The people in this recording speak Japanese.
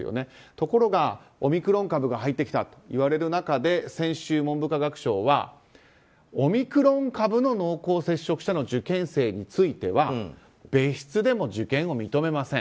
ところが、オミクロン株が入ってきたといわれる中で先週、文部科学省はオミクロン株の濃厚接触者の受験生については別室でも受験を認めません。